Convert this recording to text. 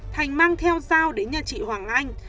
thành mang theo dao đến nhà chị hoàng anh